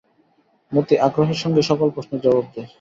মতি আগ্রহের সঙ্গে সকল প্রশ্নের জবাব দেয়।